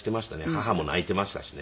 母も泣いていましたしね。